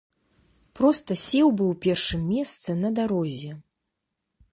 Проста сеў бы ў першым месцы на дарозе.